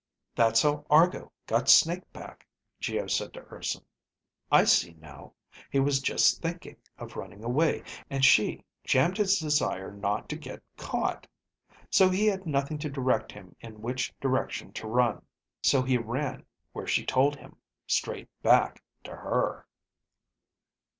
"That's how Argo got Snake back," Geo said to Urson. "I see now. He was just thinking of running away, and she jammed his desire not to get caught; so he had nothing to direct him in which direction to run. So he ran where she told him, straight back to her."